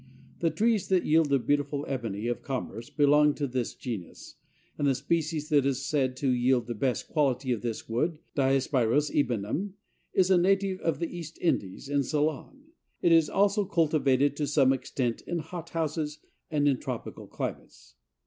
The trees that yield the beautiful ebony of commerce belong to this genus, and the species that is said to yield the best quality of this wood (Diospyros ebenum) is a native of the East Indies and Ceylon. It is also cultivated to some extent in hothouses and in tropical climates.